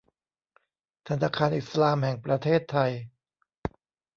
ธนาคารอิสลามแห่งประเทศไทย